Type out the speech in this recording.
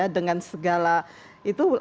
dengan segala itu